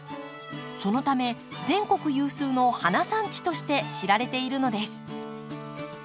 そのため全国有数の花産地として知られているのです。